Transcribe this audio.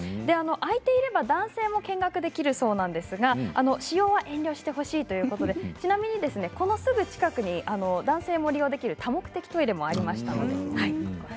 空いていれば男性も見学できるそうですが使用は遠慮してほしいということで、ちなみにこのすぐ近くに男性も利用できる多目的トイレもありました。